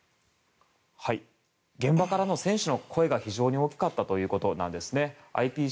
現場からの選手の声が非常に大きかったということなんです。